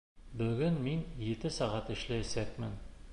Бөгөн мин ете сәғәт эшләйәсәкмен.